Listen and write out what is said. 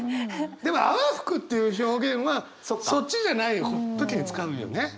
でも「泡吹く」っていう表現はそっちじゃない時に使うよね。